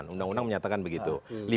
undang undang menyatakan begitu